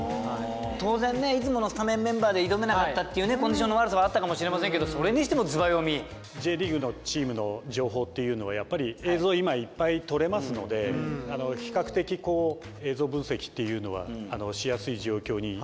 当然ねいつものスタメンメンバーで挑めなかったっていうねコンディションの悪さはあったかもしれませんけどＪリーグのチームの情報っていうのはやっぱり映像今いっぱいとれますので比較的映像分析っていうのはしやすい状況にあるのかな。